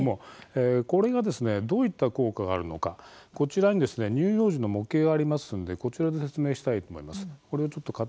これがどういった効果があるのかこちらに乳幼児の模型がありますのでこちらで説明したいと思います。